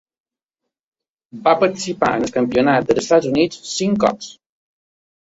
Va participar en el Campionat dels Estats Units cinc cops.